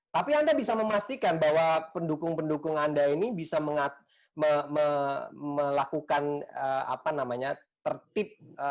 tapi anda bisa memastikan bahwa pendukung pendukung anda ini bisa melakukan apa namanya tertib